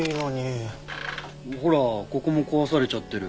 ほらここも壊されちゃってる。